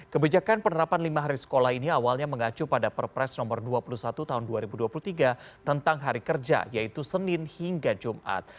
kebijakan penerapan lima hari sekolah ini awalnya mengacu pada perpres nomor dua puluh satu tahun dua ribu dua puluh tiga tentang hari kerja yaitu senin hingga jumat